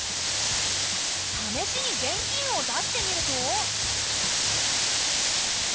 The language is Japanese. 試しに現金を出してみると。